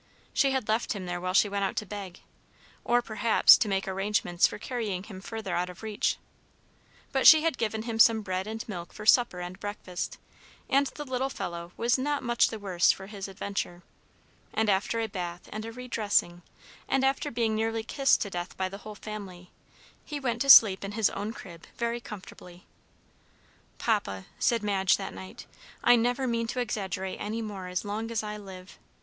She had left him there while she went out to beg, or perhaps to make arrangements for carrying him farther out of reach; but she had given him some bread and milk for supper and breakfast, and the little fellow was not much the worse for his adventure; and after a bath and a re dressing, and after being nearly kissed to death by the whole family, he went to sleep in his own crib very comfortably. "Papa," said Madge that night, "I never mean to exaggerate any more as long as I live.